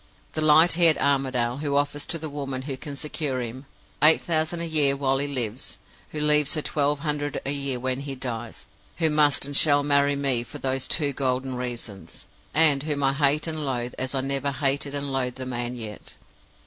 The light haired Armadale, who offers to the woman who can secure him, eight thousand a year while he lives; who leaves her twelve hundred a year when he dies; who must and shall marry me for those two golden reasons; and whom I hate and loathe as I never hated and loathed a man yet.